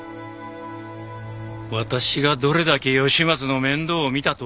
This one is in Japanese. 私がどれだけ吉松の面倒を見たと思ってるんだ？